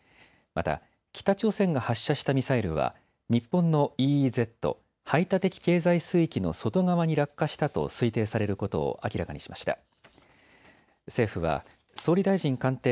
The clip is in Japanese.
また北朝鮮が発射したミサイルは日本のＥＥＺ・排他的経済水域の外側に落下したと推定されることを明らかにしました。